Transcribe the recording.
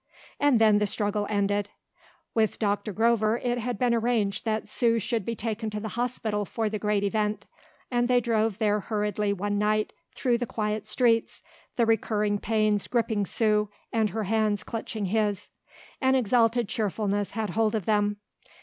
And then the struggle ended. With Doctor Grover it had been arranged that Sue should be taken to the hospital for the great event, and they drove there hurriedly one night through the quiet streets, the recurring pains gripping Sue and her hands clutching his. An exalted cheerfulness had hold of them.